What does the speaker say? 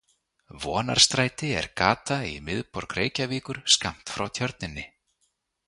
Vonarstræti er gata í miðborg Reykjavíkur skammt frá Tjörninni.